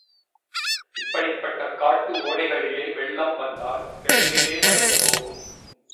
இப்படிப்பட்ட காட்டு ஓடைகளிலே வெள்ளம் வந்தால் விரைவிலே வடிந்துபோகும்.